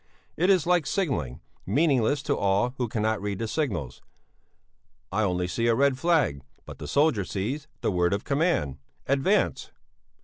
It is like signalling, meaningless to all who cannot read the signals. I only see a red flag, but the soldier sees the word of command: Advance!